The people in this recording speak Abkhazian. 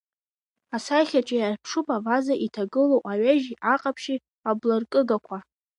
Асахьаҿы иаарԥшуп аваза иҭагыло аҩежьи, аҟаԥшьи абларкыгақәа.